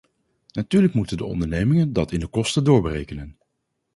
Natuurlijk moeten de ondernemingen dat in de kosten doorberekenen.